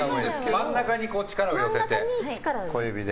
真ん中に力を寄せて、小指で。